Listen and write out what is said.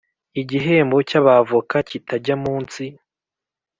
igihembo cy Abavoka kitajya munsi